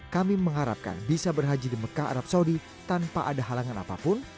kami mengharapkan bisa berhaji di mekah arab saudi tanpa ada halangan apapun